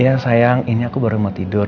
iya sayang ini aku baru mau tidur